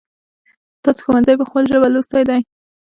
تاسو ښونځی په خپل ژبه لوستی دی ؟